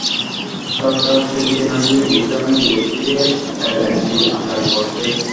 সরকার সেদিকে না গিয়ে বেশি দামে বিদেশ থেকে এলএনজি আমদানি করছে।